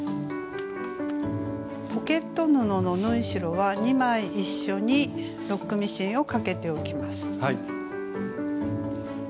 ポケット布の縫い代は２枚一緒にロックミシンをかけておきます。